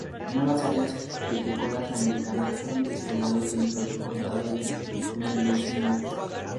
Nueve Áreas Vitícolas Americanas fueron designados dentro del condado de Mendocino.